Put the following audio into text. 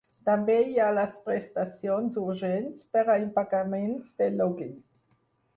També hi ha les prestacions urgents per a impagaments del lloguer.